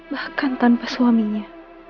bahkan tanpa suaminya